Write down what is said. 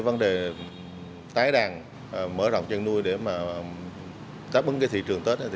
vấn đề tái đàn mở rộng chăn nuôi để tác ứng thị trường tết